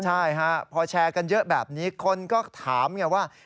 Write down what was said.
ใช่ฮะพอแชร์กันเยอะแบบนี้คนก็ถามไงว่า